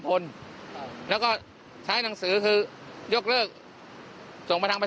เพราะเรามีเงินตัวทอง